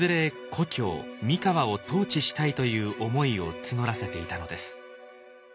故郷三河を統治したいという思いを募らせていたのです。